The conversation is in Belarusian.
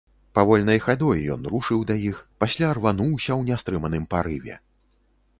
Павольнай хадой ён рушыў да іх, пасля рвануўся ў нястрыманым парыве.